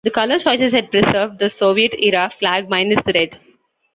The color choices had preserved the Soviet era flag minus the red.